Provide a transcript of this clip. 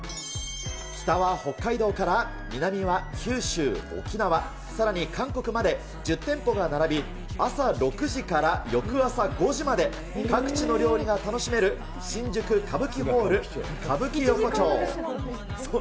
北は北海道から、南は九州・沖縄、さらに韓国まで、１０店舗が並び、朝６時から翌朝５時まで、各地の料理が楽しめる、新宿カブキホール歌舞伎横丁。